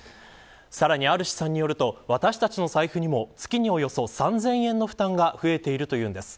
さらに、ある試算によると私たちの財布にも月に、およそ３０００円の負担が増えているというんです。